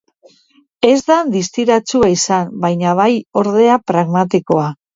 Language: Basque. Ez da distiratsua izan, baina bai ordea pragmatikoa.